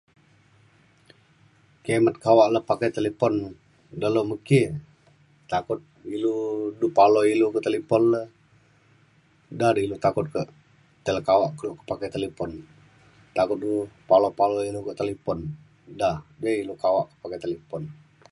kimet kawak le pakai telepon dalau me ki takut ilu du paloi ilu ke telepon le da da ilu takut ke te ke kawak le pakai telepon takut du palo paloi lu ke telepon. da di ilu kawak ke pakai telepon.